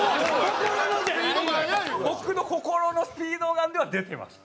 僕の心のスピードガンでは出てます。